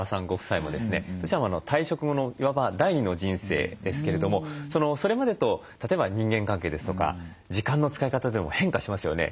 どちらも退職後のいわば第２の人生ですけれどもそれまでと例えば人間関係ですとか時間の使い方でも変化しますよね。